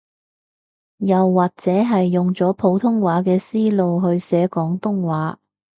又或者係用咗普通話嘅思路去寫廣東話